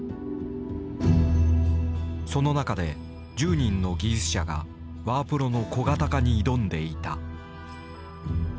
その中で１０人の技術者がワープロの小型化に挑んでいた。